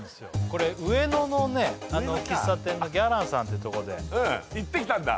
これ上野のね喫茶店のギャランさんてとこで行ってきたんだ